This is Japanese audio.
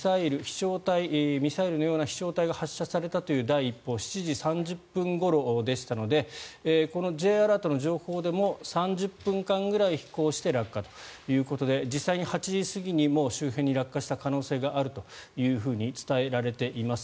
ミサイルのような飛翔体が発射されたという第１報７時３０分ごろでしたのでこのＪアラートの情報でも３０分間ぐらい飛行して落下ということで実際に８時過ぎにもう周辺に落下した可能性があると伝えられています。